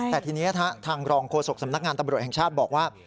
แต่ทีนี้ทางรองโฆษกสำนักงานตำรวจแห่งชาติบอกว่า